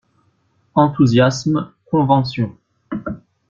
Enthousiasme, convention